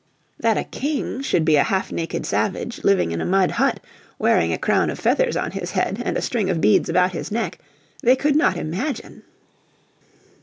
That a "king" should be a half naked savage, living in a mud hut, wearing a crown of feathers on his head, and a string of beads about his neck, they could not imagine.